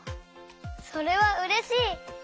それはうれしい！